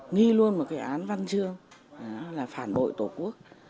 nghi luôn một cái án văn chương là phản bội tổ quốc